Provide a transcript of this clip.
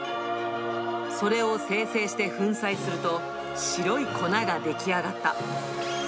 それを精製して粉砕すると、白い粉が出来上がった。